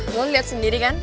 eh lo ngeliat sendiri kan